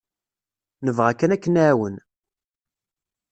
Nebɣa kan ad k-nɛawen.